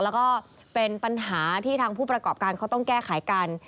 แล้วก็เป็นปัญหาที่ทางผู้ประกอบการเขาต้องแก้ไขกัน